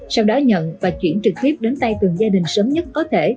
sau đó nhận và chuyển trực tiếp đến tay từng gia đình sớm nhất có thể